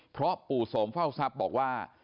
เพราะปู่โสมเฝ้าทรัพย์บอกว่า